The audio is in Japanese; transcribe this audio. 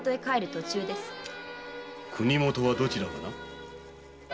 国もとはどちらかな？